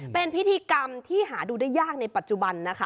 เป็นพิธีกรรมที่หาดูได้ยากในปัจจุบันนะคะ